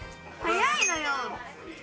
早いのよ！